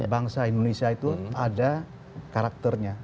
bangsa indonesia itu ada karakternya